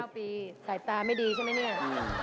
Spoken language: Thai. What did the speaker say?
๙ปีสายตาไม่ดีใช่ไหมเนี่ย